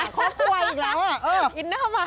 เขากลัวอีกแล้ว